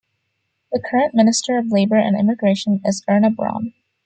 The current Minister of Labour and Immigration is Erna Braun.